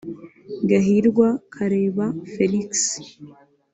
Gahirwa Kareba Felix